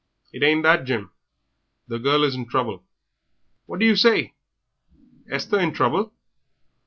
"It ain't that, Jim. The girl is in trouble." "Wot do yer say? Esther in trouble?